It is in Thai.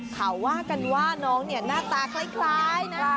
เขาว่ากันว่าน้องเนี่ยหน้าตาคล้ายนะ